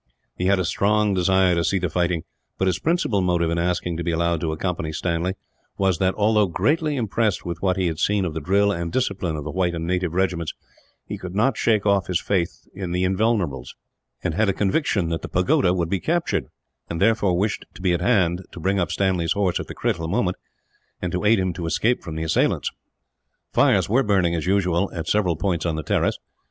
He had a strong desire to see the fighting, but his principal motive in asking to be allowed to accompany Stanley was that, although greatly impressed with what he had seen of the drill and discipline of the white and native regiments, he could not shake off his faith in the Invulnerables; and had a conviction that the pagoda would be captured, and therefore wished to be at hand, to bring up Stanley's horse at the critical moment, and to aid him to escape from the assailants. Fires were burning, as usual, at several points on the terrace.